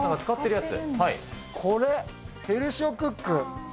これ、ヘルシオクック。